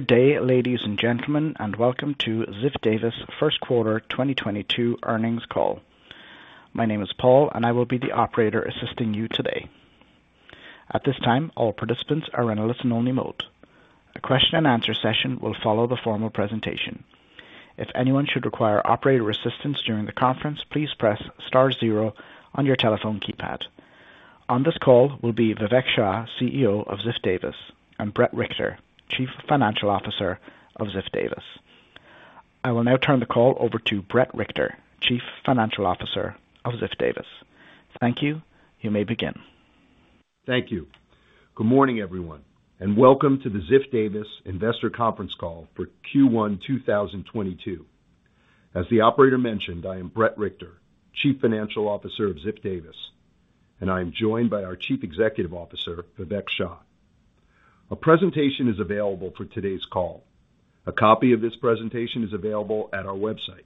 Good day, ladies and gentlemen, and welcome to Ziff Davis first quarter 2022 earnings call. My name is Paul, and I will be the operator assisting you today. At this time, all participants are in a listen only mode. A question-and-answer session will follow the formal presentation. If anyone should require operator assistance during the conference, please press star zero on your telephone keypad. On this call will be Vivek Shah, CEO of Ziff Davis, and Bret Richter, Chief Financial Officer of Ziff Davis. I will now turn the call over to Bret Richter, Chief Financial Officer of Ziff Davis. Thank you. You may begin. Thank you. Good morning, everyone, and welcome to the Ziff Davis investor conference call for Q1 2022. As the operator mentioned, I am Bret Richter, Chief Financial Officer of Ziff Davis, and I am joined by our Chief Executive Officer, Vivek Shah. A presentation is available for today's call. A copy of this presentation is available at our website.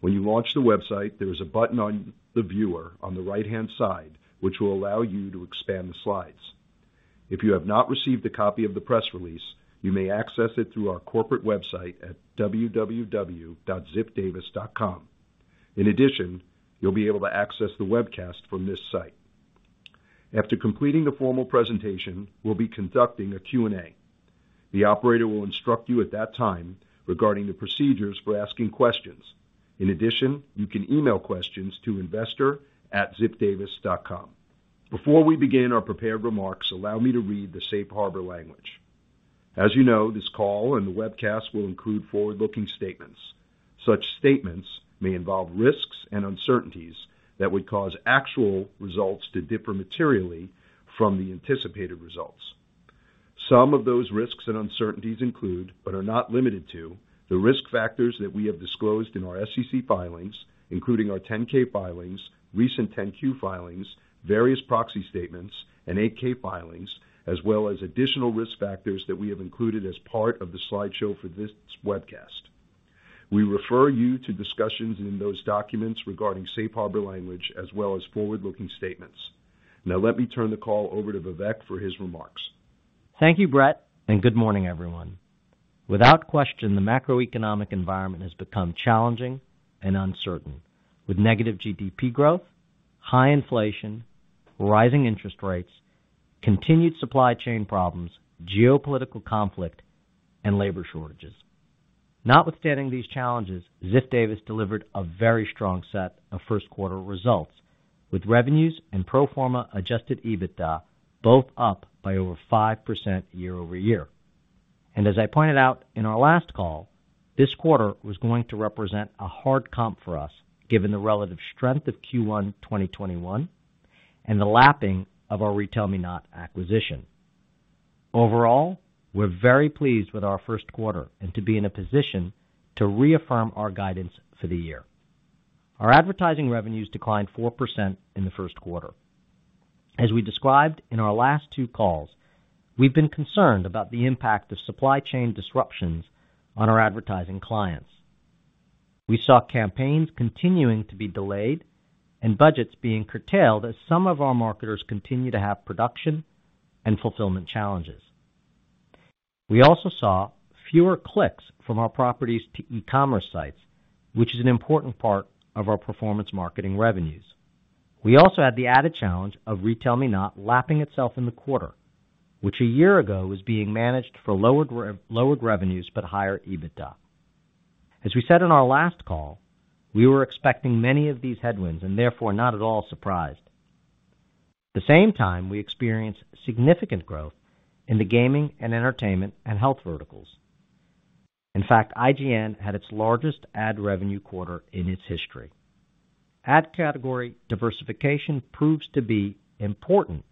When you launch the website, there is a button on the viewer on the right-hand side which will allow you to expand the slides. If you have not received a copy of the press release, you may access it through our corporate website at www.ziffdavis.com. In addition, you'll be able to access the webcast from this site. After completing the formal presentation, we'll be conducting a Q&A. The operator will instruct you at that time regarding the procedures for asking questions. In addition, you can email questions to investor@ziffdavis.com. Before we begin our prepared remarks, allow me to read the Safe Harbor language. As you know, this call and the webcast will include forward-looking statements. Such statements may involve risks and uncertainties that would cause actual results to differ materially from the anticipated results. Some of those risks and uncertainties include, but are not limited to, the risk factors that we have disclosed in our SEC filings, including our 10-K filings, recent 10-Q filings, various proxy statements, and 8-K filings, as well as additional risk factors that we have included as part of the slideshow for this webcast. We refer you to discussions in those documents regarding Safe Harbor language as well as forward-looking statements. Now, let me turn the call over to Vivek for his remarks. Thank you, Bret, and good morning, everyone. Without question, the macroeconomic environment has become challenging and uncertain with negative GDP growth, high inflation, rising interest rates, continued supply chain problems, geopolitical conflict, and labor shortages. Notwithstanding these challenges, Ziff Davis delivered a very strong set of first-quarter results, with revenues and pro forma adjusted EBITDA both up by over 5% year-over-year. As I pointed out in our last call, this quarter was going to represent a hard comp for us, given the relative strength of Q1 2021 and the lapping of our RetailMeNot acquisition. Overall, we're very pleased with our first quarter and to be in a position to reaffirm our guidance for the year. Our advertising revenues declined 4% in the first quarter. As we described in our last two calls, we've been concerned about the impact of supply chain disruptions on our advertising clients. We saw campaigns continuing to be delayed and budgets being curtailed as some of our marketers continue to have production and fulfillment challenges. We also saw fewer clicks from our properties to e-commerce sites, which is an important part of our performance marketing revenues. We also had the added challenge of RetailMeNot lapping itself in the quarter, which a year ago was being managed for lowered revenues but higher EBITDA. As we said in our last call, we were expecting many of these headwinds and therefore not at all surprised. At the same time we experienced significant growth in the gaming and entertainment and health verticals. In fact, IGN had its largest ad revenue quarter in its history. Ad category diversification proves to be important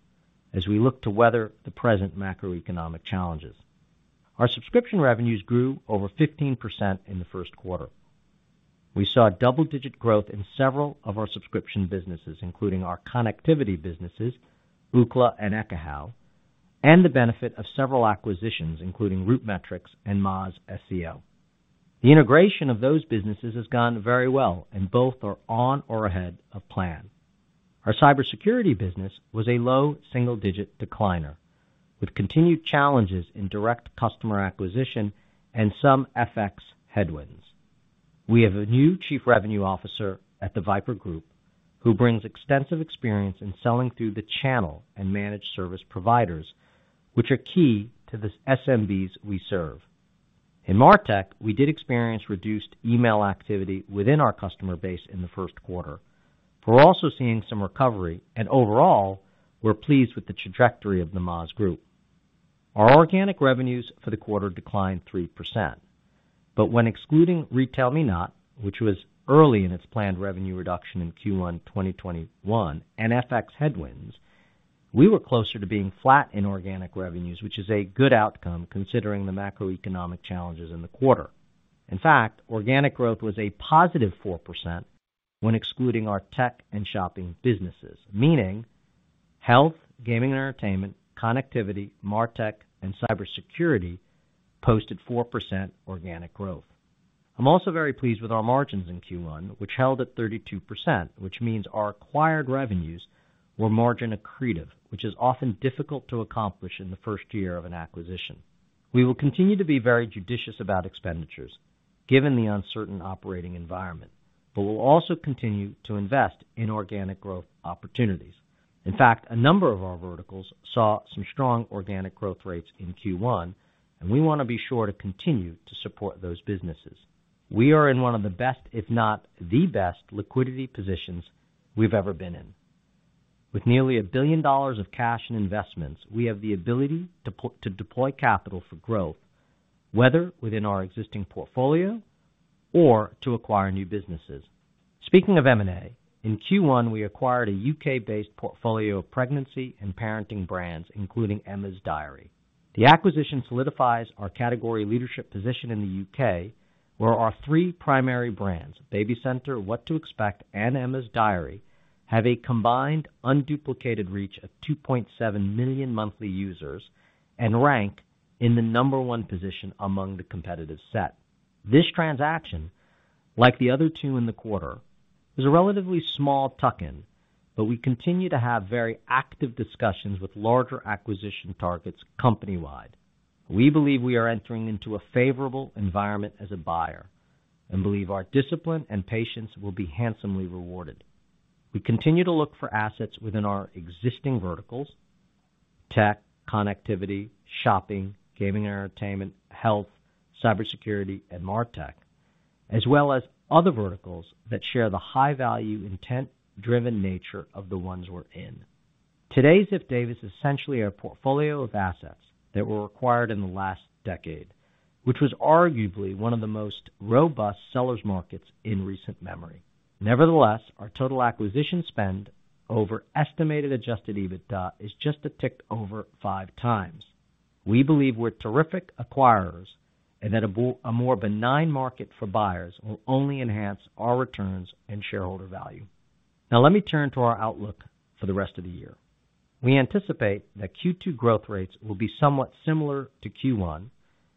as we look to weather the present macroeconomic challenges. Our subscription revenues grew over 15% in the first quarter. We saw double-digit growth in several of our subscription businesses, including our connectivity businesses, Ookla and Ekahau, and the benefit of several acquisitions, including RootMetrics and Moz. The integration of those businesses has gone very well, and both are on or ahead of plan. Our cybersecurity business was a low single digit decliner with continued challenges in direct customer acquisition and some FX headwinds. We have a new chief revenue officer at the VIPRE Group who brings extensive experience in selling through the channel and managed service providers, which are key to the SMBs we serve. In MarTech, we did experience reduced email activity within our customer base in the first quarter. We're also seeing some recovery, and overall we're pleased with the trajectory of the Moz Group. Our organic revenues for the quarter declined 3%. When excluding RetailMeNot, which was early in its planned revenue reduction in Q1 2021, and FX headwinds, we were closer to being flat in organic revenues, which is a good outcome considering the macroeconomic challenges in the quarter. In fact, organic growth was a positive 4% when excluding our tech and shopping businesses, meaning health, gaming and entertainment, connectivity, MarTech, and cybersecurity posted 4% organic growth. I'm also very pleased with our margins in Q1, which held at 32%, which means our acquired revenues were margin accretive, which is often difficult to accomplish in the first year of an acquisition. We will continue to be very judicious about expenditures given the uncertain operating environment, but we'll also continue to invest in organic growth opportunities. In fact, a number of our verticals saw some strong organic growth rates in Q1, and we want to be sure to continue to support those businesses. We are in one of the best, if not the best, liquidity positions we've ever been in. With nearly $1 billion of cash and investments, we have the ability to deploy capital for growth, whether within our existing portfolio or to acquire new businesses. Speaking of M&A, in Q1, we acquired a U.K.-based portfolio of pregnancy and parenting brands, including Emma's Diary. The acquisition solidifies our category leadership position in the U.K., where our three primary brands, BabyCenter, What to Expect, and Emma's Diary, have a combined unduplicated reach of 2.7 million monthly users and rank in the number one position among the competitive set. This transaction, like the other two in the quarter, is a relatively small tuck-in, but we continue to have very active discussions with larger acquisition targets company-wide. We believe we are entering into a favorable environment as a buyer and believe our discipline and patience will be handsomely rewarded. We continue to look for assets within our existing verticals, tech, connectivity, shopping, gaming, entertainment, health, cybersecurity, and MarTech, as well as other verticals that share the high-value, intent-driven nature of the ones we're in. Today's Ziff Davis essentially our portfolio of assets that were acquired in the last decade, which was arguably one of the most robust sellers markets in recent memory. Nevertheless, our total acquisition spend over estimated adjusted EBITDA is just a tick over 5x. We believe we're terrific acquirers and that a more benign market for buyers will only enhance our returns and shareholder value. Now let me turn to our outlook for the rest of the year. We anticipate that Q2 growth rates will be somewhat similar to Q1,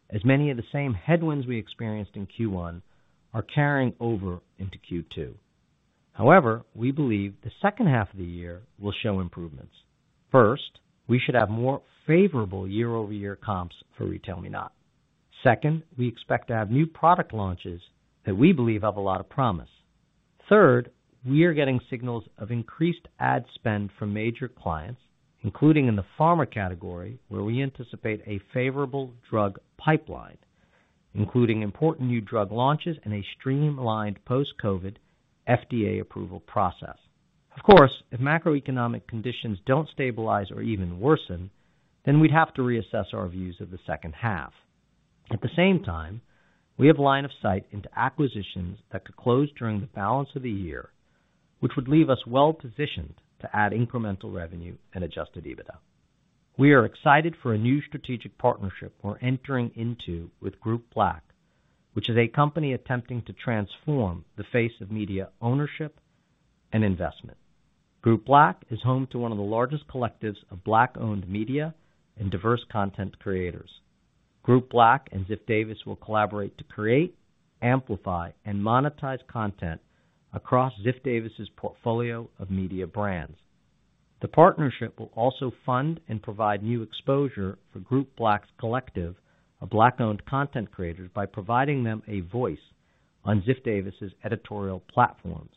as many of the same headwinds we experienced in Q1 are carrying over into Q2. However, we believe the second half of the year will show improvements. First, we should have more favorable year-over-year comps for RetailMeNot. Second, we expect to have new product launches that we believe have a lot of promise. Third, we are getting signals of increased ad spend from major clients, including in the pharma category, where we anticipate a favorable drug pipeline, including important new drug launches and a streamlined post-COVID FDA approval process. Of course, if macroeconomic conditions don't stabilize or even worsen, then we'd have to reassess our views of the second half. At the same time, we have line of sight into acquisitions that could close during the balance of the year, which would leave us well-positioned to add incremental revenue and adjusted EBITDA. We are excited for a new strategic partnership we're entering into with Group Black, which is a company attempting to transform the face of media ownership and investment. Group Black is home to one of the largest collectives of Black-owned media and diverse content creators. Group Black and Ziff Davis will collaborate to create, amplify, and monetize content across Ziff Davis's portfolio of media brands. The partnership will also fund and provide new exposure for Group Black's collective of Black-owned content creators by providing them a voice on Ziff Davis's editorial platforms,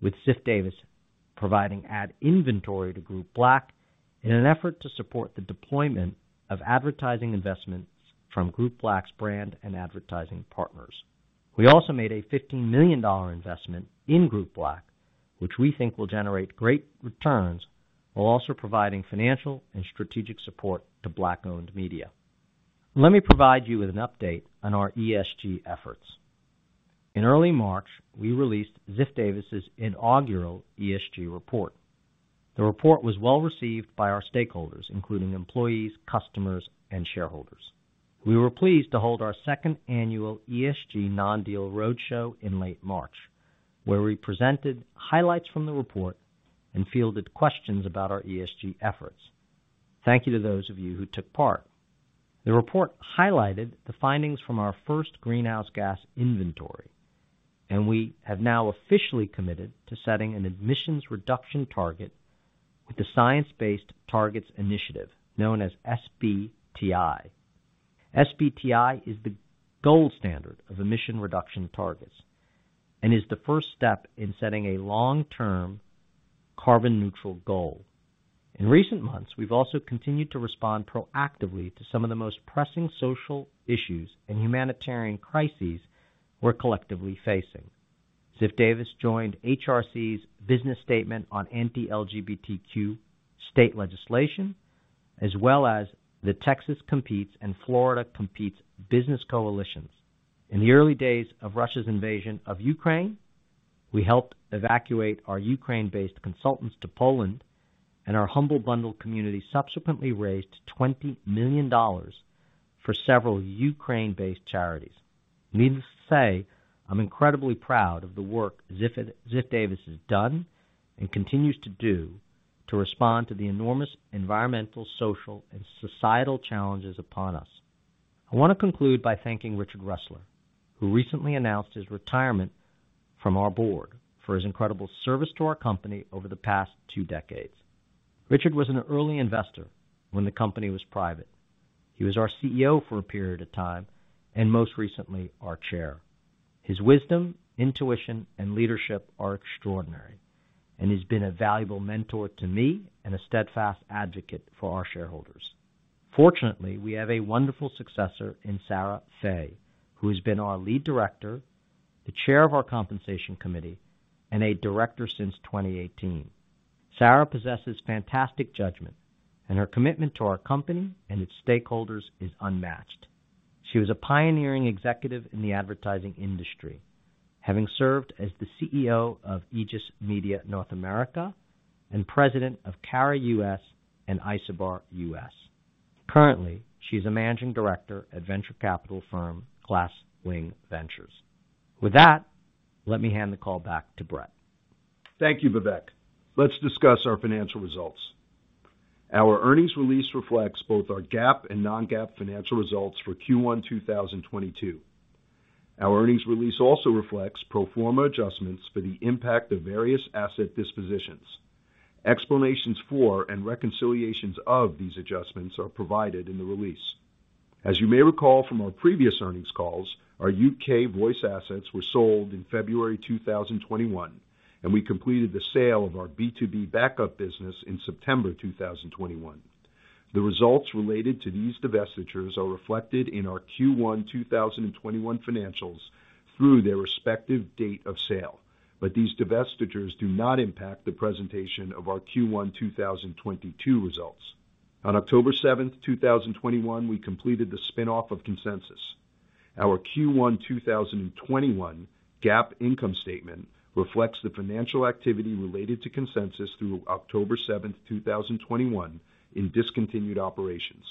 with Ziff Davis providing ad inventory to Group Black in an effort to support the deployment of advertising investments from Group Black's brand and advertising partners. We also made a $15 million investment in Group Black, which we think will generate great returns while also providing financial and strategic support to Black-owned media. Let me provide you with an update on our ESG efforts. In early March, we released Ziff Davis' inaugural ESG report. The report was well-received by our stakeholders, including employees, customers, and shareholders. We were pleased to hold our second annual ESG Non-Deal Roadshow in late March, where we presented highlights from the report and fielded questions about our ESG efforts. Thank you to those of you who took part. The report highlighted the findings from our first greenhouse gas inventory, and we have now officially committed to setting an emissions reduction target with the Science Based Targets initiative, known as SBTI. SBTI is the gold standard of emission reduction targets and is the first step in setting a long-term carbon neutral goal. In recent months, we've also continued to respond proactively to some of the most pressing social issues and humanitarian crises we're collectively facing. Ziff Davis joined HRC's business statement on anti-LGBTQ state legislation, as well as the Texas Competes and Florida Competes business coalitions. In the early days of Russia's invasion of Ukraine, we helped evacuate our Ukraine-based consultants to Poland, and our Humble Bundle community subsequently raised $20 million for several Ukraine-based charities. Needless to say, I'm incredibly proud of the work Ziff Davis has done and continues to do. To respond to the enormous environmental, social, and societal challenges upon us. I wanna conclude by thanking Richard Ressler, who recently announced his retirement from our board, for his incredible service to our company over the past two decades. Richard was an early investor when the company was private. He was our CEO for a period of time, and most recently, our chair. His wisdom, intuition, and leadership are extraordinary, and he's been a valuable mentor to me and a steadfast advocate for our shareholders. Fortunately, we have a wonderful successor in Sarah Fay, who has been our lead director, the chair of our compensation committee, and a director since 2018. Sarah possesses fantastic judgment, and her commitment to our company and its stakeholders is unmatched. She was a pioneering executive in the advertising industry, having served as the CEO of Aegis Media North America and President of Carat U.S.A. And Isobar U.S. Currently, she's a managing director at venture capital firm Glasswing Ventures. With that, let me hand the call back to Bret. Thank you, Vivek. Let's discuss our financial results. Our earnings release reflects both our GAAP and non-GAAP financial results for Q1 2022. Our earnings release also reflects pro forma adjustments for the impact of various asset dispositions. Explanations for and reconciliations of these adjustments are provided in the release. As you may recall from our previous earnings calls, our U.K. Voice assets were sold in February 2021, and we completed the sale of our B2B Backup business in September 2021. The results related to these divestitures are reflected in our Q1 2021 financials through their respective date of sale. These divestitures do not impact the presentation of our Q1 2022 results. On October 7, 2021, we completed the spin-off of Consensus. Our Q1 2021 GAAP income statement reflects the financial activity related to Consensus through October 7, 2021 in discontinued operations.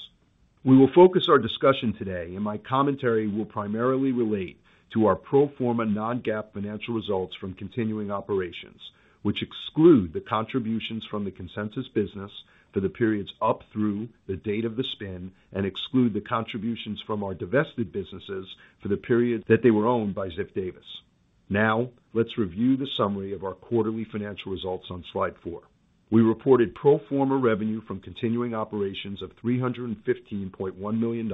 We will focus our discussion today, and my commentary will primarily relate to our pro forma non-GAAP financial results from continuing operations, which exclude the contributions from the Consensus business for the periods up through the date of the spin, and exclude the contributions from our divested businesses for the period that they were owned by Ziff Davis. Now, let's review the summary of our quarterly financial results on slide 4. We reported pro forma revenue from continuing operations of $315.1 million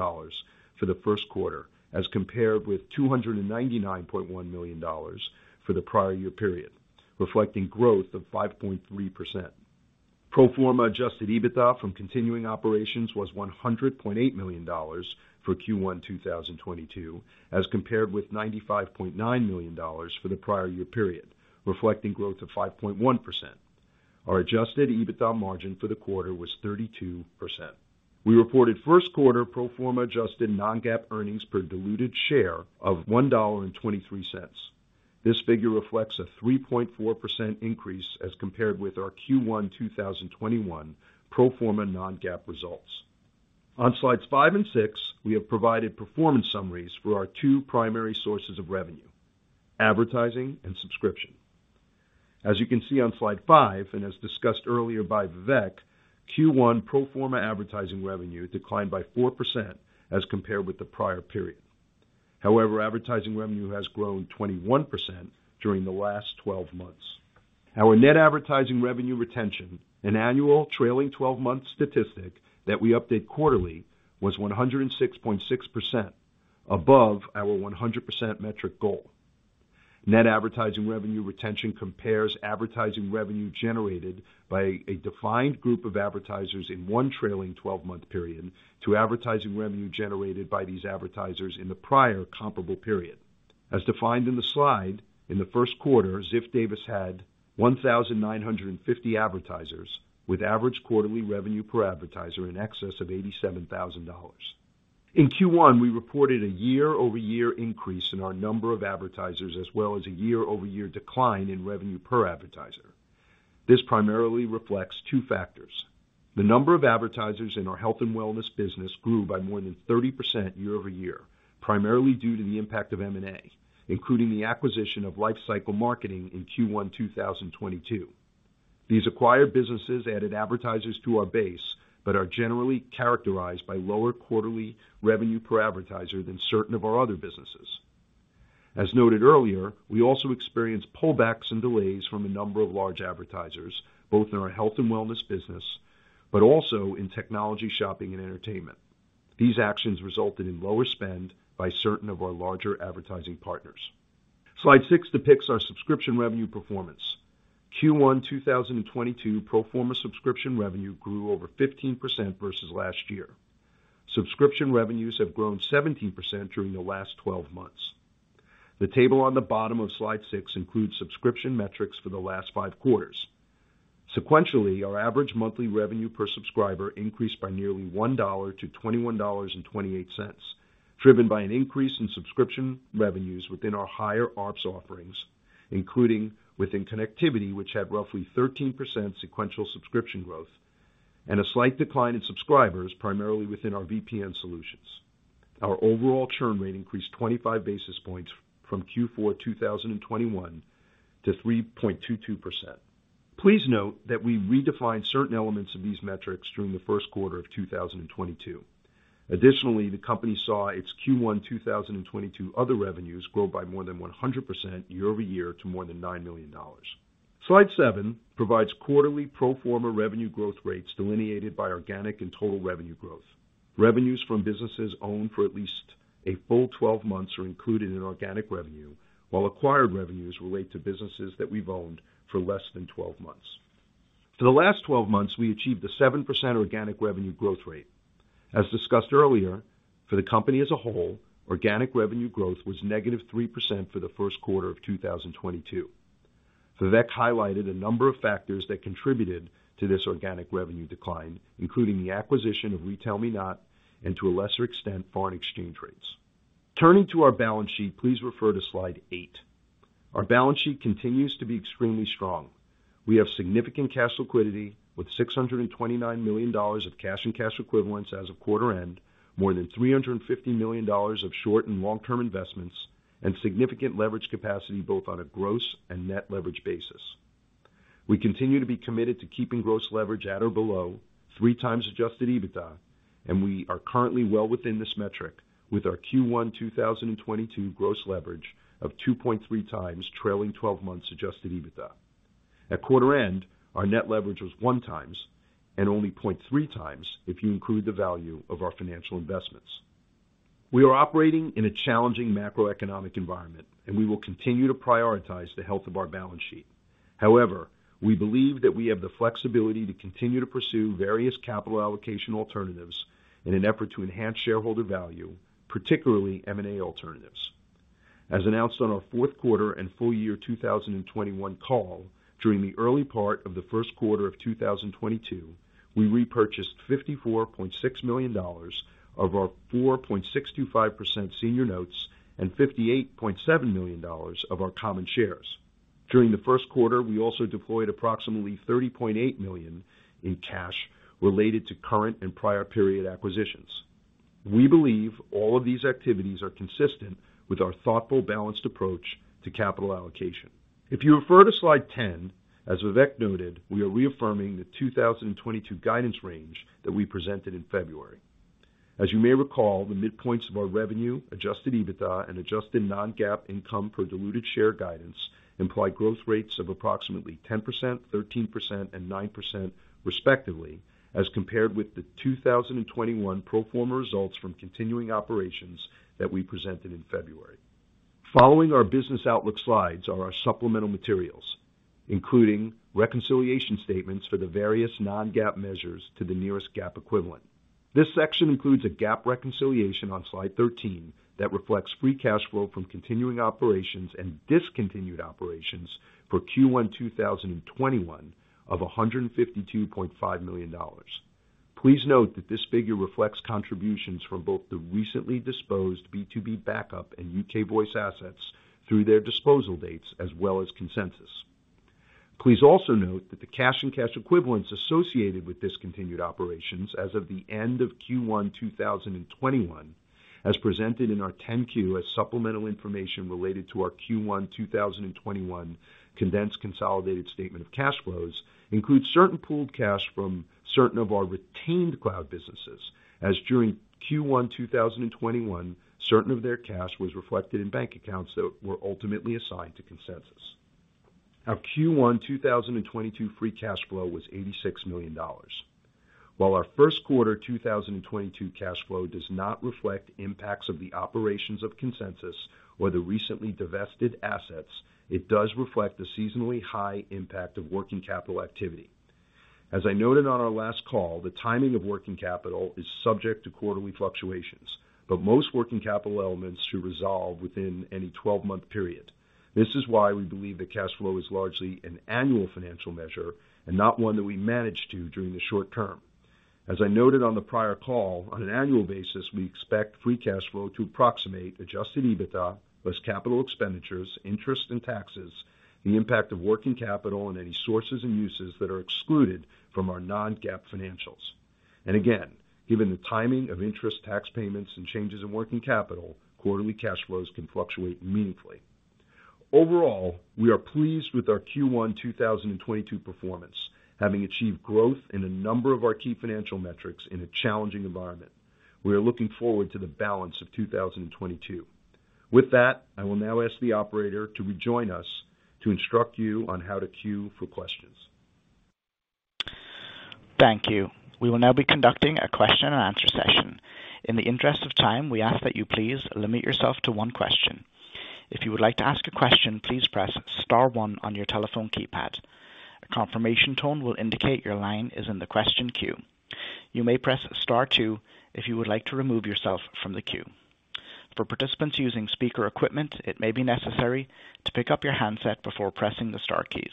for the first quarter as compared with $299.1 million for the prior year period, reflecting growth of 5.3%. Pro forma adjusted EBITDA from continuing operations was $100.8 million for Q1 2022, as compared with $95.9 million for the prior year period, reflecting growth of 5.1%. Our adjusted EBITDA margin for the quarter was 32%. We reported first quarter pro forma adjusted non-GAAP earnings per diluted share of $1.23. This figure reflects a 3.4% increase as compared with our Q1 2021 pro forma non-GAAP results. On slides 5 and 6, we have provided performance summaries for our two primary sources of revenue, advertising and subscription. As you can see on slide 5, and as discussed earlier by Vivek, Q1 pro forma advertising revenue declined by 4% as compared with the prior period. However, advertising revenue has grown 21% during the last 12 months. Our net advertising revenue retention, an annual trailing twelve-month statistic that we update quarterly, was 106.6%, above our 100% metric goal. Net advertising revenue retention compares advertising revenue generated by a defined group of advertisers in one trailing twelve-month period to advertising revenue generated by these advertisers in the prior comparable period. As defined in the slide, in the first quarter, Ziff Davis had 1,950 advertisers with average quarterly revenue per advertiser in excess of $87,000. In Q1, we reported a year-over-year increase in our number of advertisers as well as a year-over-year decline in revenue per advertiser. This primarily reflects two factors. The number of advertisers in our health and wellness business grew by more than 30% year-over-year, primarily due to the impact of M&A, including the acquisition of Lifecycle Marketing in Q1 2022. These acquired businesses added advertisers to our base, but are generally characterized by lower quarterly revenue per advertiser than certain of our other businesses. As noted earlier, we also experienced pullbacks and delays from a number of large advertisers, both in our health and wellness business, but also in technology, shopping, and entertainment. These actions resulted in lower spend by certain of our larger advertising partners. Slide 6 depicts our subscription revenue performance. Q1 2022 pro forma subscription revenue grew over 15% versus last year. Subscription revenues have grown 17% during the last 12 months. The table on the bottom of Slide 6 includes subscription metrics for the last five quarters. Sequentially, our average monthly revenue per subscriber increased by nearly $1 to $21.28, driven by an increase in subscription revenues within our higher ARPS offerings, including within connectivity, which had roughly 13% sequential subscription growth and a slight decline in subscribers primarily within our VPN solutions. Our overall churn rate increased 25 basis points from Q4 2021 to 3.22%. Please note that we redefined certain elements of these metrics during the first quarter of 2022. Additionally, the company saw its Q1 2022 other revenues grow by more than 100% year-over-year to more than $9 million. Slide 7 provides quarterly pro forma revenue growth rates delineated by organic and total revenue growth. Revenues from businesses owned for at least a full 12 months are included in organic revenue, while acquired revenues relate to businesses that we've owned for less than 12 months. For the last 12 months, we achieved a 7% organic revenue growth rate. As discussed earlier, for the company as a whole, organic revenue growth was -3% for the first quarter of 2022. Vivek highlighted a number of factors that contributed to this organic revenue decline, including the acquisition of RetailMeNot and to a lesser extent, foreign exchange rates. Turning to our balance sheet, please refer to slide 8. Our balance sheet continues to be extremely strong. We have significant cash liquidity with $629 million of cash and cash equivalents as of quarter end, more than $350 million of short and long-term investments and significant leverage capacity, both on a gross and net leverage basis. We continue to be committed to keeping gross leverage at or below 3x adjusted EBITDA, and we are currently well within this metric with our Q1 2022 gross leverage of 2.3x trailing twelve months adjusted EBITDA. At quarter end, our net leverage was 1x and only 0.3x if you include the value of our financial investments. We are operating in a challenging macroeconomic environment, and we will continue to prioritize the health of our balance sheet. However, we believe that we have the flexibility to continue to pursue various capital allocation alternatives in an effort to enhance shareholder value, particularly M&A alternatives. As announced on our fourth quarter and full year 2021 call, during the early part of the first quarter of 2022, we repurchased $54.6 million of our 4.625% senior notes and $58.7 million of our common shares. During the first quarter, we also deployed approximately $30.8 million in cash related to current and prior period acquisitions. We believe all of these activities are consistent with our thoughtful, balanced approach to capital allocation. If you refer to slide 10, as Vivek noted, we are reaffirming the 2022 guidance range that we presented in February. As you may recall, the midpoints of our revenue, adjusted EBITDA and adjusted non-GAAP income per diluted share guidance imply growth rates of approximately 10%, 13%, and 9% respectively, as compared with the 2021 pro forma results from continuing operations that we presented in February. Following our business outlook slides are our supplemental materials, including reconciliation statements for the various non-GAAP measures to the nearest GAAP equivalent. This section includes a GAAP reconciliation on slide 13 that reflects free cash flow from continuing operations and discontinued operations for Q1 2021 of $152.5 million. Please note that this figure reflects contributions from both the recently disposed B2B Backup and U.K. Voice assets through their disposal dates, as well as Consensus. Please also note that the cash and cash equivalents associated with discontinued operations as of the end of Q1 2021, as presented in our 10-Q as supplemental information related to our Q1 2021 condensed consolidated statement of cash flows include certain pooled cash from certain of our retained cloud businesses as during Q1 2021, certain of their cash was reflected in bank accounts that were ultimately assigned to Consensus. Our Q1 2022 free cash flow was $86 million. While our first quarter 2022 cash flow does not reflect impacts of the operations of Consensus or the recently divested assets, it does reflect the seasonally high impact of working capital activity. As I noted on our last call, the timing of working capital is subject to quarterly fluctuations, but most working capital elements should resolve within any 12-month period. This is why we believe that cash flow is largely an annual financial measure and not one that we manage to during the short term. As I noted on the prior call, on an annual basis, we expect free cash flow to approximate adjusted EBITDA plus capital expenditures, interest and taxes, the impact of working capital and any sources and uses that are excluded from our non-GAAP financials. Again, given the timing of interest, tax payments, and changes in working capital, quarterly cash flows can fluctuate meaningfully. Overall, we are pleased with our Q1 2022 performance, having achieved growth in a number of our key financial metrics in a challenging environment. We are looking forward to the balance of 2022. With that, I will now ask the operator to rejoin us to instruct you on how to queue for questions. Thank you. We will now be conducting a question and answer session. In the interest of time, we ask that you please limit yourself to one question. If you would like to ask a question, please press star one on your telephone keypad. A confirmation tone will indicate your line is in the question queue. You may press star two if you would like to remove yourself from the queue. For participants using speaker equipment, it may be necessary to pick up your handset before pressing the star keys.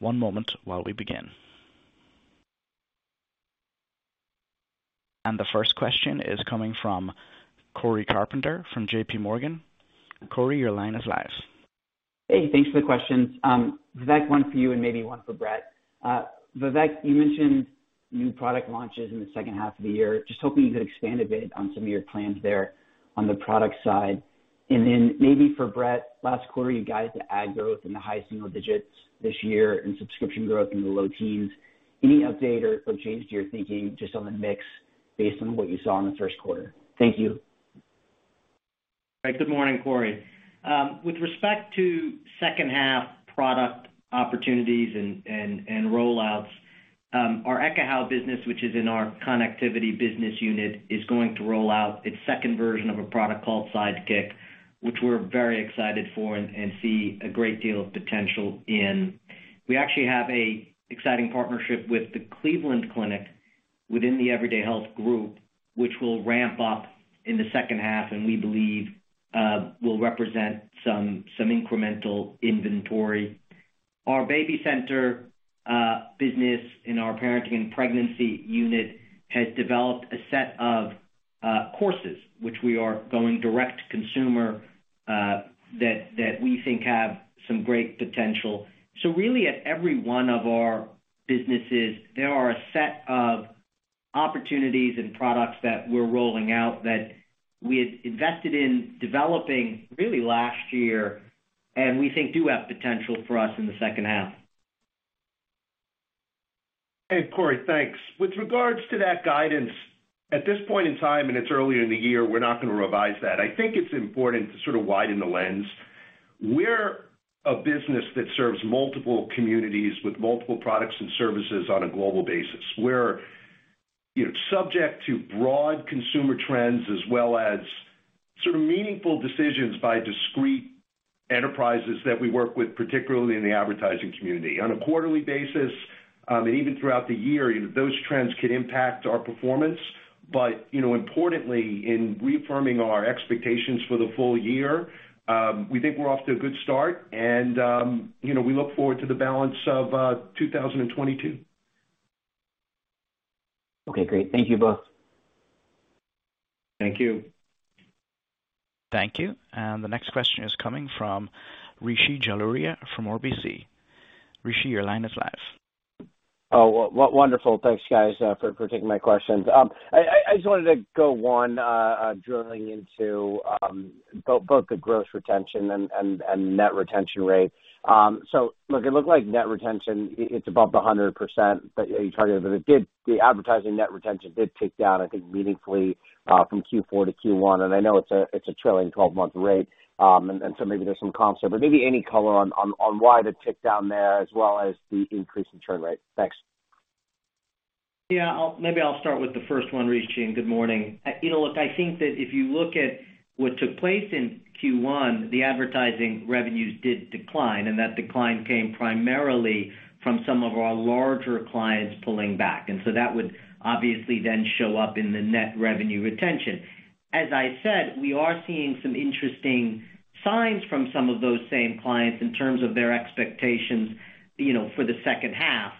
One moment while we begin. The first question is coming from Cory Carpenter from JPMorgan. Cory, your line is live. Hey, thanks for the questions. Vivek, one for you and maybe one for Bret. Vivek, you mentioned new product launches in the second half of the year. Just hoping you could expand a bit on some of your plans there on the product side. Maybe for Bret, last quarter, you guys had ad growth in the high single digits this year and subscription growth in the low teens. Any update or change to your thinking just on the mix based on what you saw in the first quarter? Thank you. Right. Good morning, Corey. With respect to second half product opportunities and rollouts, our Ekahau business, which is in our connectivity business unit, is going to roll out its second version of a product called Sidekick, which we're very excited for and see a great deal of potential in. We actually have an exciting partnership with the Cleveland Clinic within the Everyday Health Group, which will ramp up in the second half, and we believe will represent some incremental inventory. Our BabyCenter business in our parenting and pregnancy unit has developed a set of courses which we are going direct to consumer, that we think have some great potential. Really, at every one of our businesses, there are a set of opportunities and products that we're rolling out that we had invested in developing really last year and we think do have potential for us in the second half. Hey, Cory, thanks. With regards to that guidance, at this point in time, and it's earlier in the year, we're not gonna revise that. I think it's important to sort of widen the lens. We're a business that serves multiple communities with multiple products and services on a global basis. We're, you know, subject to broad consumer trends as well as sort of meaningful decisions by discrete enterprises that we work with, particularly in the advertising community. On a quarterly basis, and even throughout the year, those trends could impact our performance. You know, importantly, in reaffirming our expectations for the full year, we think we're off to a good start and, you know, we look forward to the balance of 2022. Okay, great. Thank you both. Thank you. Thank you. The next question is coming from Rishi Jaluria from RBC. Rishi, your line is live. Oh, wonderful. Thanks, guys, for taking my questions. I just wanted to go drilling into both the gross retention and net retention rate. It looked like net retention, it's above the 100% that you targeted, but the advertising net retention did tick down, I think, meaningfully, from Q4 to Q1. I know it's a trailing twelve-month rate. Maybe there's some comp. Maybe any color on why the tick down there as well as the increase in churn rate. Thanks. Yeah, maybe I'll start with the first one, Rishi, and good morning. You know, look, I think that if you look at what took place in Q1, the advertising revenues did decline, and that decline came primarily from some of our larger clients pulling back. That would obviously then show up in the net revenue retention. As I said, we are seeing some interesting signs from some of those same clients in terms of their expectations, you know, for the second half.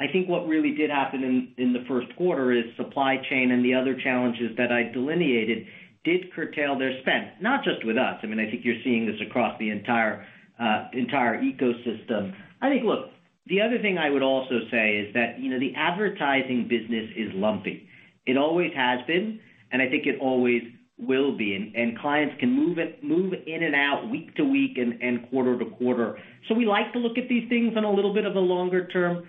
I think what really did happen in the first quarter is supply chain and the other challenges that I delineated did curtail their spend, not just with us. I mean, I think you're seeing this across the entire ecosystem. I think look, the other thing I would also say is that, you know, the advertising business is lumpy. It always has been, and I think it always will be. Clients can move in and out week to week and quarter to quarter. We like to look at these things on a little bit of a longer-term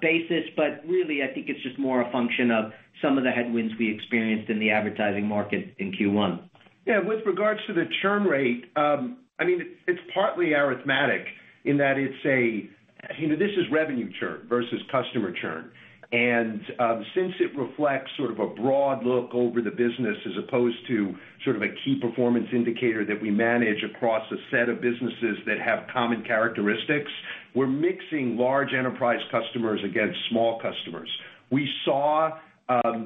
basis, but really, I think it's just more a function of some of the headwinds we experienced in the advertising market in Q1. Yeah. With regards to the churn rate, I mean, it's partly arithmetic in that it's a, you know, this is revenue churn versus customer churn. Since it reflects sort of a broad look over the business as opposed to sort of a key performance indicator that we manage across a set of businesses that have common characteristics, we're mixing large enterprise customers against small customers. We saw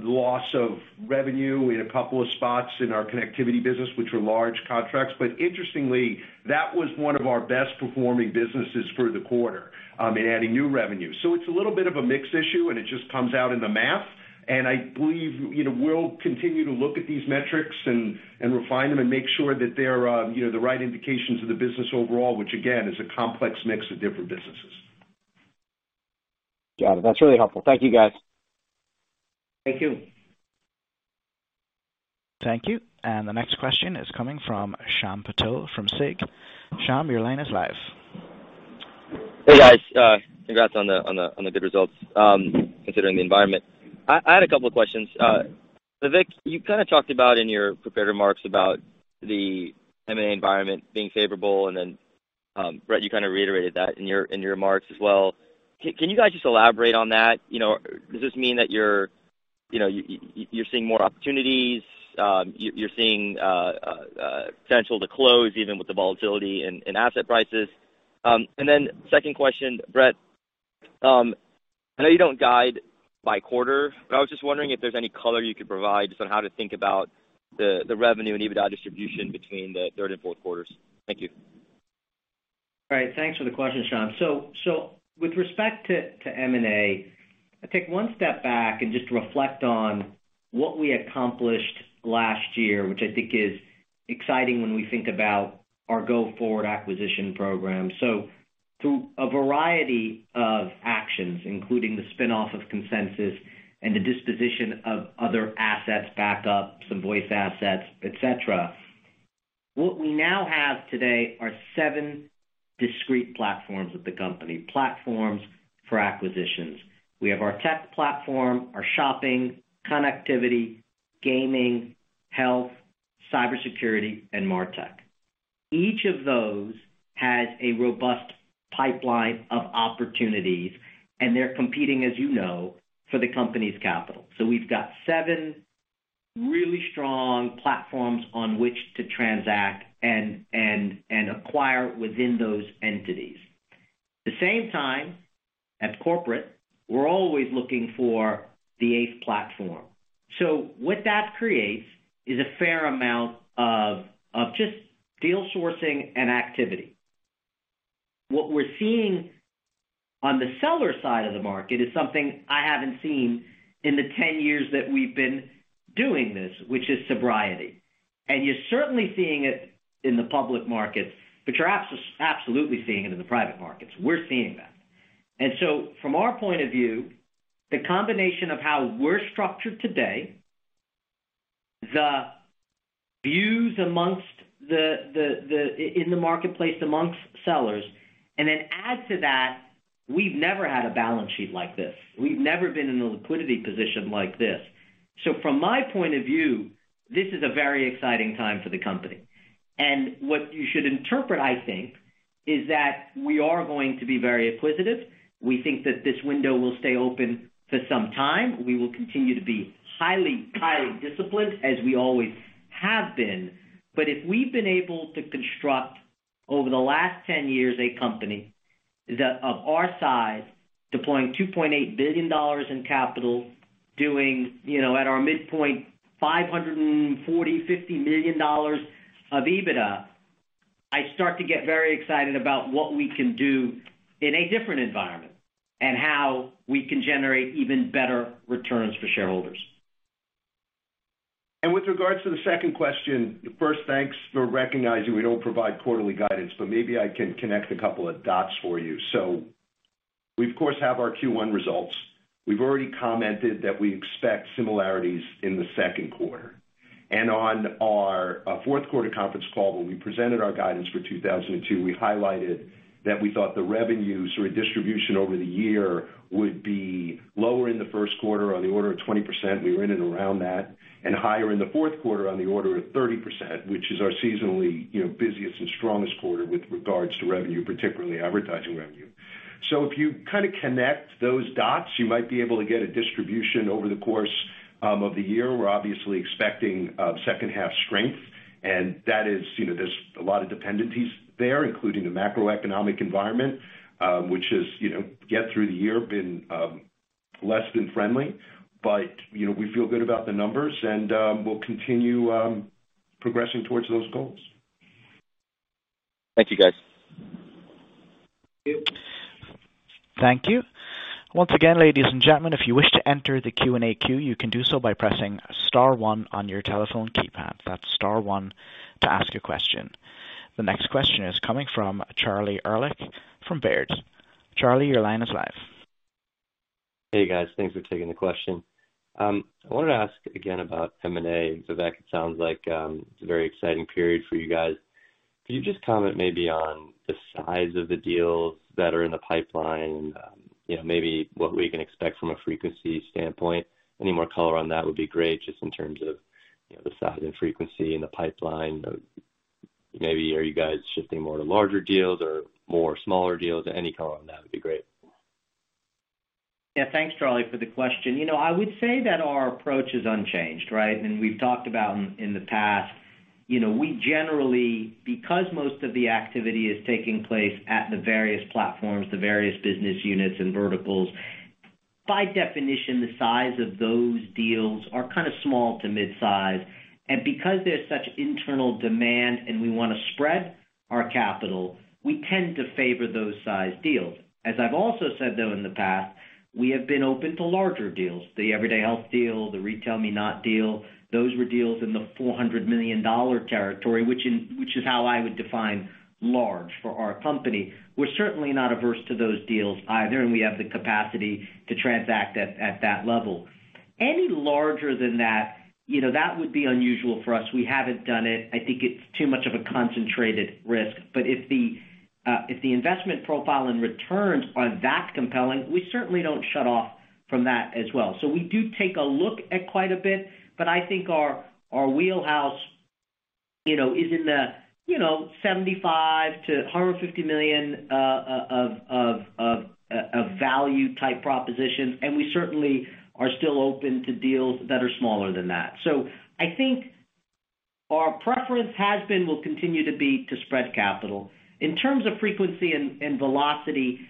loss of revenue in a couple of spots in our connectivity business, which were large contracts. Interestingly, that was one of our best performing businesses for the quarter in adding new revenue. It's a little bit of a mix issue, and it just comes out in the math. I believe, you know, we'll continue to look at these metrics and refine them and make sure that they're, you know, the right indications of the business overall, which again, is a complex mix of different businesses. Got it. That's really helpful. Thank you, guys. Thank you.F Thank you. The next question is coming from Shyam Patil from SIG. Shyam, your line is live. Hey, guys. Congrats on the good results, considering the environment. I had a couple of questions. Vivek, you kinda talked about in your prepared remarks about the M&A environment being favorable, and then, Bret, you kind of reiterated that in your remarks as well. Can you guys just elaborate on that? You know, does this mean that you're, you know, you're seeing more opportunities? You're seeing potential to close even with the volatility in asset prices? Second question, Bret, I know you don't guide by quarter, but I was just wondering if there's any color you could provide just on how to think about the revenue and EBITDA distribution between the third and fourth quarters. Thank you. All right. Thanks for the question, Shyam. With respect to M&A, I take one step back and just reflect on what we accomplished last year, which I think is exciting when we think about our go-forward acquisition program. Through a variety of actions, including the spin-off of Consensus and the disposition of other assets B2B Backup, U.K. Voice assets, et cetera, what we now have today are seven discrete platforms of the company, platforms for acquisitions. We have our tech platform, our shopping, connectivity, gaming, health, cybersecurity, and MarTech. Each of those has a robust pipeline of opportunities, and they're competing, as you know, for the company's capital. We've got seven really strong platforms on which to transact and acquire within those entities. At the same time, at corporate, we're always looking for the eighth platform. What that creates is a fair amount of just deal sourcing and activity. What we're seeing on the seller side of the market is something I haven't seen in the 10 years that we've been doing this, which is sobriety. You're certainly seeing it in the public markets, but you're absolutely seeing it in the private markets. We're seeing that. From our point of view, the combination of how we're structured today, the views in the marketplace amongst sellers, and then add to that, we've never had a balance sheet like this. We've never been in a liquidity position like this. From my point of view, this is a very exciting time for the company. What you should interpret, I think, is that we are going to be very acquisitive. We think that this window will stay open for some time. We will continue to be highly disciplined as we always have been. If we've been able to construct over the last 10 years a company that of our size, deploying $2.8 billion in capital, doing, you know, at our midpoint, $540-$550 million of EBITDA, I start to get very excited about what we can do in a different environment and how we can generate even better returns for shareholders. With regards to the second question, first, thanks for recognizing we don't provide quarterly guidance, but maybe I can connect a couple of dots for you. We, of course, have our Q1 results. We've already commented that we expect similarities in the second quarter. On our fourth quarter conference call, when we presented our guidance for 2022, we highlighted that we thought the revenues or distribution over the year would be lower in the first quarter on the order of 20%. We were in and around that, and higher in the fourth quarter on the order of 30%, which is our seasonally, you know, busiest and strongest quarter with regards to revenue, particularly advertising revenue. If you kinda connect those dots, you might be able to get a distribution over the course of the year. We're obviously expecting second-half strength, and that is, you know, there's a lot of dependencies there, including the macroeconomic environment, which is, you know, less than friendly. We feel good about the numbers and we'll continue progressing towards those goals. Thank you, guys. Thank you. Thank you. Once again, ladies and gentlemen, if you wish to enter the Q&A queue, you can do so by pressing star one on your telephone keypad. That's star one to ask a question. The next question is coming from Charlie Erlikh from Baird. Charlie, your line is live. Hey, guys. Thanks for taking the question. I wanted to ask again about M&A. Vivek, it sounds like it's a very exciting period for you guys. Could you just comment maybe on the size of the deals that are in the pipeline? You know, maybe what we can expect from a frequency standpoint. Any more color on that would be great just in terms of, you know, the size and frequency in the pipeline. Maybe are you guys shifting more to larger deals or more smaller deals? Any color on that would be great. Yeah. Thanks, Charlie, for the question. You know, I would say that our approach is unchanged, right? We've talked about in the past, you know, we generally because most of the activity is taking place at the various platforms, the various business units and verticals, by definition, the size of those deals are kind of small to mid-size. Because there's such internal demand and we wanna spread our capital, we tend to favor those size deals. As I've also said, though, in the past, we have been open to larger deals. The Everyday Health deal, the RetailMeNot deal, those were deals in the $400 million territory, which is how I would define large for our company. We're certainly not averse to those deals either, and we have the capacity to transact at that level. Any larger than that, you know, that would be unusual for us. We haven't done it. I think it's too much of a concentrated risk. If the investment profile and returns are that compelling, we certainly don't shut off from that as well. We do take a look at quite a bit, but I think our wheelhouse, you know, is in the, you know, $75 million-$150 million of value type propositions, and we certainly are still open to deals that are smaller than that. I think our preference has been, will continue to be to spread capital. In terms of frequency and velocity,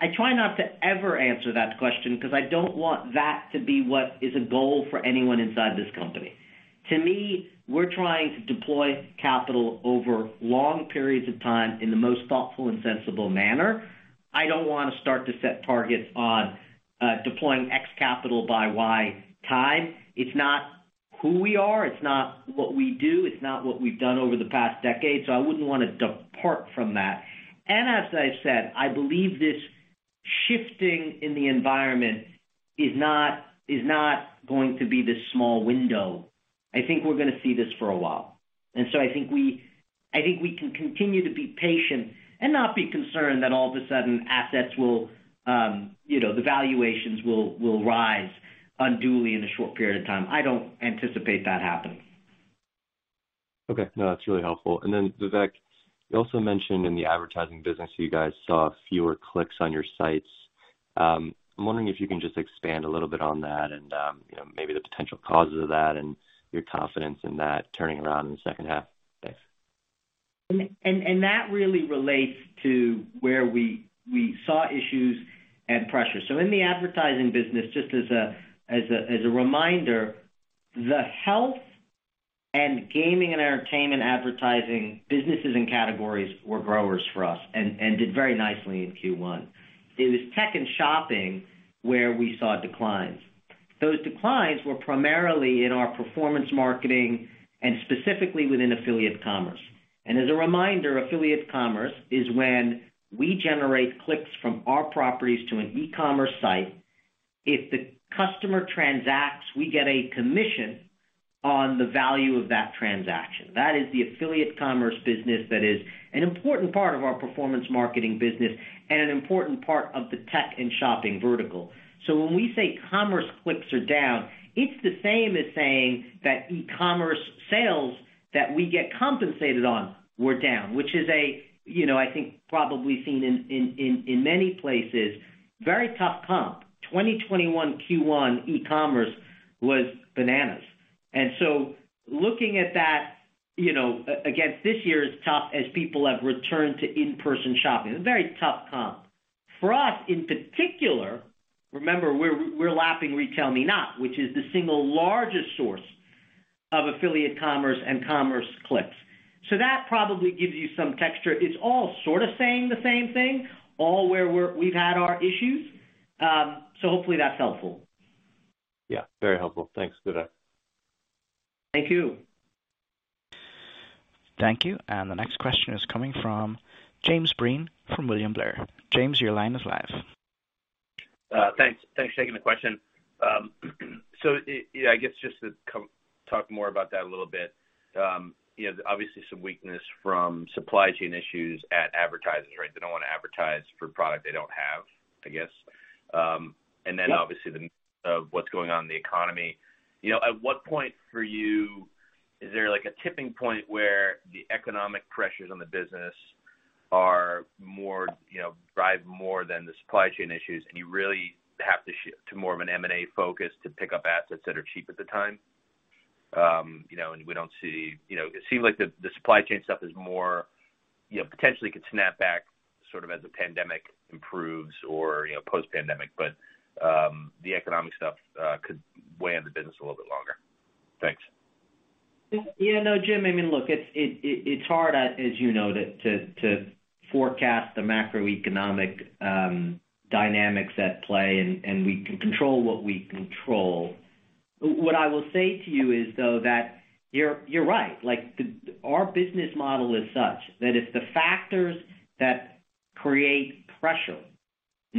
I try not to ever answer that question because I don't want that to be what is a goal for anyone inside this company. To me, we're trying to deploy capital over long periods of time in the most thoughtful and sensible manner. I don't wanna start to set targets on deploying X capital by Y time. It's not who we are, it's not what we do, it's not what we've done over the past decade, so I wouldn't wanna depart from that. As I said, I believe this shifting in the environment is not going to be this small window. I think we're gonna see this for a while. I think we can continue to be patient and not be concerned that all of a sudden assets will, you know, the valuations will rise unduly in a short period of time. I don't anticipate that happening. Okay. No, that's really helpful. Vivek, you also mentioned in the advertising business that you guys saw fewer clicks on your sites. I'm wondering if you can just expand a little bit on that and, you know, maybe the potential causes of that and your confidence in that turning around in the second half. Thanks. That really relates to where we saw issues and pressures. In the advertising business, just as a reminder, the health and gaming and entertainment advertising businesses and categories were growers for us and did very nicely in Q1. It was tech and shopping where we saw declines. Those declines were primarily in our performance marketing and specifically within affiliate commerce. As a reminder, affiliate commerce is when we generate clicks from our properties to an e-commerce site. If the customer transacts, we get a commission on the value of that transaction. That is the affiliate commerce business that is an important part of our performance marketing business and an important part of the tech and shopping vertical. When we say commerce clicks are down, it's the same as saying that e-commerce sales that we get compensated on were down, which is, you know, I think probably seen in many places, very tough comp. 2021 Q1 e-commerce was bananas. Looking at that, you know, against this year is tough as people have returned to in-person shopping. A very tough comp. For us, in particular, remember, we're lapping RetailMeNot, which is the single largest source of affiliate commerce and commerce clicks. That probably gives you some texture. It's all sort of saying the same thing, all where we've had our issues. Hopefully that's helpful. Yeah, very helpful. Thanks, Vivek. Thank you. Thank you. The next question is coming from Jim Breen from William Blair. James, your line is live. Thanks for taking the question. So, yeah, I guess just to talk more about that a little bit, you know, obviously some weakness from supply chain issues at advertisers, right? They don't wanna advertise for product they don't have, I guess. And then obviously what's going on in the economy. You know, at what point for you is there like a tipping point where the economic pressures on the business are more, you know, drive more than the supply chain issues and you really have to shift to more of an M&A focus to pick up assets that are cheap at the time? You know, and we don't see. You know, it seems like the supply chain stuff is more, you know, potentially could snap back sort of as the pandemic improves or, you know, post-pandemic, but the economic stuff could weigh on the business a little bit longer. Thanks. Yeah, no, Jim, I mean, look, it's hard, as you know, to forecast the macroeconomic dynamics at play and we can control what we control. What I will say to you is though that you're right. Like, our business model is such that if the factors that create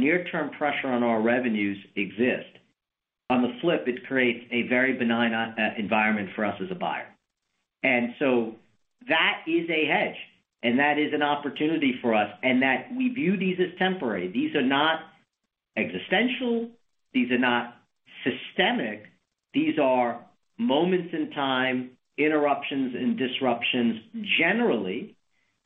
pressure, near-term pressure on our revenues exist, on the flip, it creates a very benign environment for us as a buyer. That is a hedge, and that is an opportunity for us, and that we view these as temporary. These are not existential, these are not systemic. These are moments in time, interruptions and disruptions generally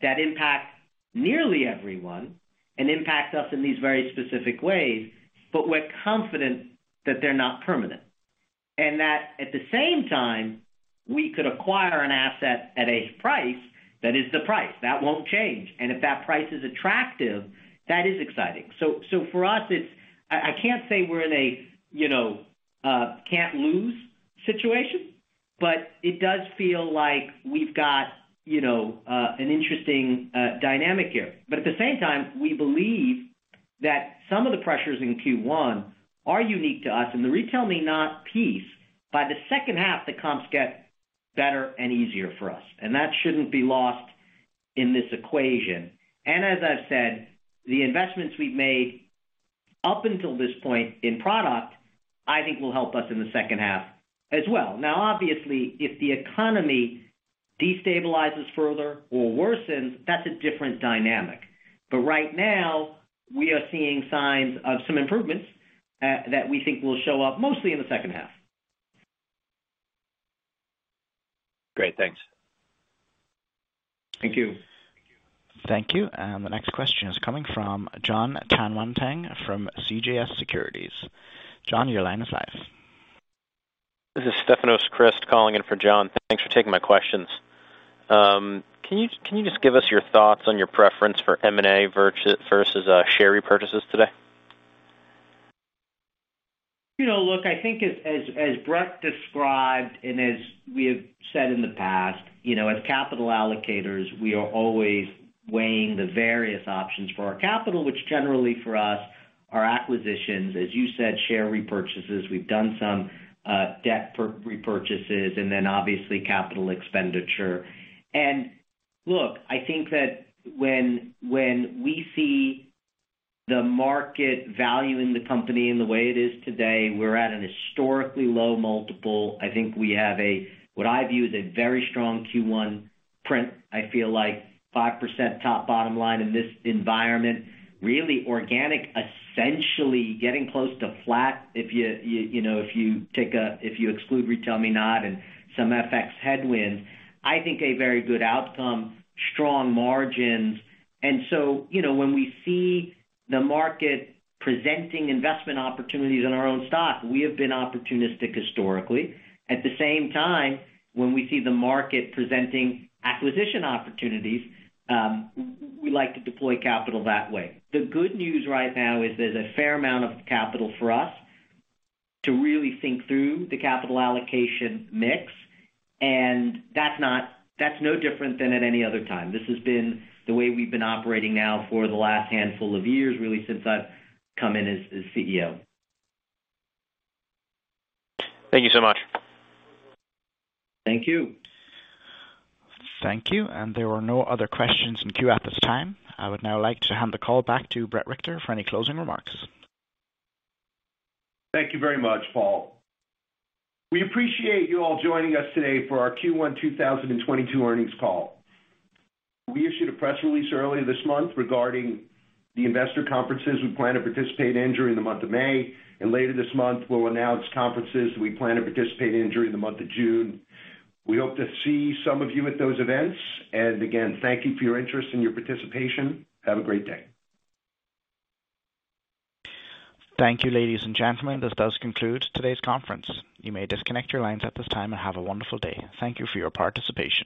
that impact nearly everyone and impacts us in these very specific ways. We're confident that they're not permanent. That at the same time, we could acquire an asset at a price that is the price. That won't change. If that price is attractive, that is exciting. For us, it's I can't say we're in a you know can't lose situation, but it does feel like we've got you know an interesting dynamic here. At the same time, we believe that some of the pressures in Q1 are unique to us in the RetailMeNot piece. By the second half, the comps get better and easier for us, and that shouldn't be lost in this equation. As I've said, the investments we've made up until this point in product, I think will help us in the second half as well. Now, obviously, if the economy destabilizes further or worsens, that's a different dynamic. Right now, we are seeing signs of some improvements that we think will show up mostly in the second half. Great. Thanks. Thank you. Thank you. The next question is coming from Jon Tanwanteng from CJS Securities. Jon, your line is live. This is Stefanos Crist calling in for Jon. Thanks for taking my questions. Can you just give us your thoughts on your preference for M&A versus share repurchases today? You know, look, I think as Bret described and as we have said in the past, you know, as capital allocators, we are always weighing the various options for our capital, which generally for us are acquisitions, as you said, share repurchases. We've done some debt for repurchases and then obviously capital expenditure. Look, I think that when we see the market value in the company in the way it is today, we're at an historically low multiple. I think we have what I view as a very strong Q1 print. I feel like 5% top and bottom line in this environment, really organic, essentially getting close to flat if you know, if you exclude RetailMeNot and some FX headwinds. I think a very good outcome, strong margins. You know, when we see the market presenting investment opportunities in our own stock, we have been opportunistic historically. At the same time, when we see the market presenting acquisition opportunities, we like to deploy capital that way. The good news right now is there's a fair amount of capital for us to really think through the capital allocation mix, and that's no different than at any other time. This has been the way we've been operating now for the last handful of years, really since I've come in as CEO. Thank you so much. Thank you. Thank you. There were no other questions in queue at this time. I would now like to hand the call back to Bret Richter for any closing remarks. Thank you very much, Paul. We appreciate you all joining us today for our Q1 2022 earnings call. We issued a press release earlier this month regarding the investor conferences we plan to participate in during the month of May. Later this month, we'll announce conferences we plan to participate in during the month of June. We hope to see some of you at those events. Again, thank you for your interest and your participation. Have a great day. Thank you, ladies and gentlemen. This does conclude today's conference. You may disconnect your lines at this time and have a wonderful day. Thank you for your participation.